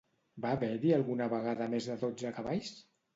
Va haver-hi alguna vegada més de dotze cavalls?